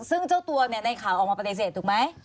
ซึ่งเจ้าตัวในน่าขาวออกมาไปเตรียดถูกไหม